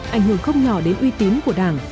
ảnh hưởng không nhỏ đến uy tín của đảng